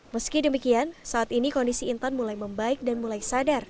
meski demikian saat ini kondisi intan mulai membaik dan mulai sadar